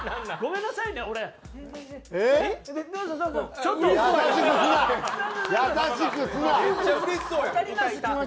めっちゃうれしそうやん。